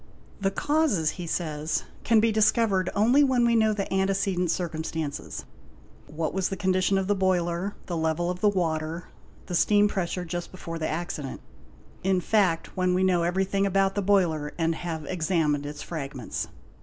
''The causes', he says, 'can be discovered only when we know the antecedent circumstances, what was the condition of the boiler, the level of the water, the steam pressure just before the accident, in fact when we know everything about the boiler and have examined its fragments".